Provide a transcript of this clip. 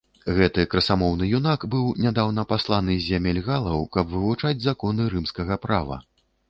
Гэты красамоўны юнак быў нядаўна пасланы з зямель галаў, каб вывучаць законы рымскага права.